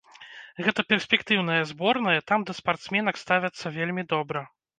Гэта перспектыўная зборная, там да спартсменак ставяцца вельмі добра.